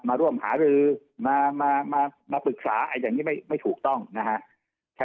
มาร่วมหารือมามามามาปรึกษาอันยังงี้ไม่ไม่ถูกต้องนะฮะ